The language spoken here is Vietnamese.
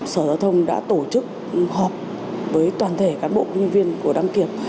sở giao thông đã tổ chức họp với toàn thể cán bộ công nhân viên của đăng kiểm